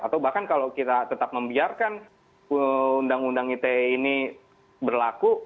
atau bahkan kalau kita tetap membiarkan undang undang ite ini berlaku